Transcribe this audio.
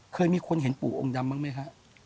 เคยมีคนเห็นปู่องค์ดำบ้างไหมฮะ